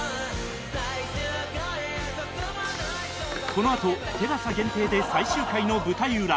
このあと ＴＥＬＡＳＡ 限定で最終回の舞台裏